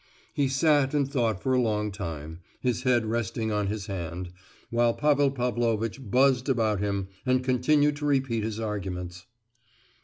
He sat and thought for a long time, his head resting on his hand, while Pavel Pavlovitch buzzed about him and continued to repeat his arguments.